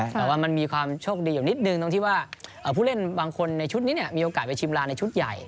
แต่ว่ามันมีความโชคดีอยู่นิดนึงตรงที่ว่าผู้เล่นบางคนในชุดนี้มีโอกาสไปชิมลานในชุดใหญ่